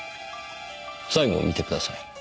最後を見てください。